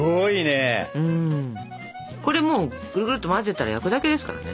これもうぐるぐるっと混ぜたら焼くだけですからね。